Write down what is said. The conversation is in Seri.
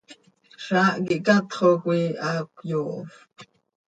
Zaah quih catxo coi haa cöyoofp.